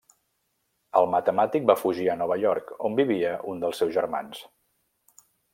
El matemàtic va fugir a Nova York, on vivia un dels seus germans.